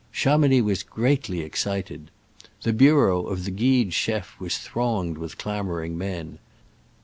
Cha mounix was greatly excited. The bureau of the guide chef was thronged with clamoring men.